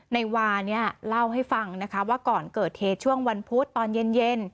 นายวาเนี่ยเล่าให้ฟังนะคะว่าก่อนเกิดเหตุช่วงวันพุธตอนเย็น